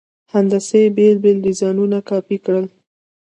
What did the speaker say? هندسي بېل بېل ډیزاینونه کاپي کړئ.